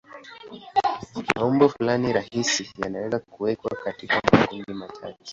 Maumbo fulani rahisi yanaweza kuwekwa katika makundi machache.